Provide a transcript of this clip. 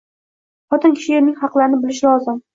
Xotin kishi erining haqlarini bilishi lozim.